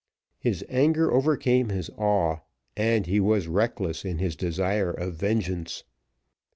His anger overcame his awe, and he was reckless in his desire of vengeance.